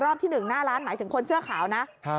รอบที่หนึ่งหน้าร้านหมายถึงคนเสื้อขาวนะครับ